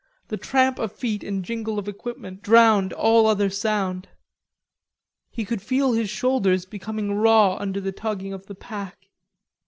The tramp of feet and jingle of equipment drowned all other sound. He could feel his shoulders becoming raw under the tugging of the pack.